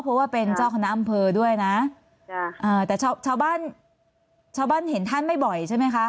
เพราะว่าเป็นเจ้าคณะอำเภอด้วยนะจ้ะแต่ชาวบ้านชาวบ้านเห็นท่านไม่บ่อยใช่ไหมคะ